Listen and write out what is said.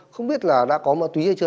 không biết là đã có ma túy hay chưa